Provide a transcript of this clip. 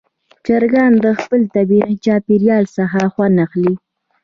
چرګان د خپل طبیعي چاپېریال څخه خوند اخلي.